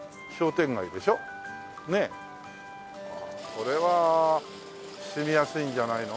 これは住みやすいんじゃないの。